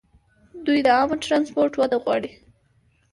دوی د عامه ټرانسپورټ وده غواړي.